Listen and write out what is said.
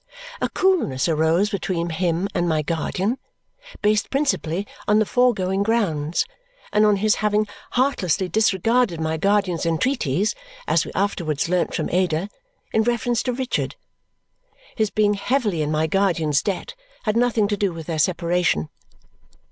A coolness arose between him and my guardian, based principally on the foregoing grounds and on his having heartlessly disregarded my guardian's entreaties (as we afterwards learned from Ada) in reference to Richard. His being heavily in my guardian's debt had nothing to do with their separation.